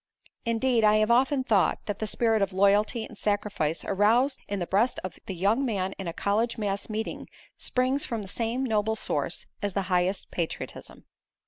Indeed I have often thought that the spirit of loyalty and sacrifice aroused in the breast of the young man in a college mass meeting springs from the same noble source as the highest patriotism.